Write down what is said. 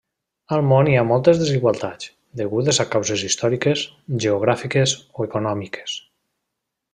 Al món hi ha moltes desigualtats, degudes a causes històriques, geogràfiques o econòmiques.